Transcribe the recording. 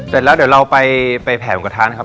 เสร็จแล้วเดี๋ยวเราไปแผ่หมูกระทะนะครับ